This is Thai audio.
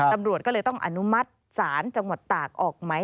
ตำรวจก็เลยต้องอนุมัติศาลจังหวัดตากออกไหม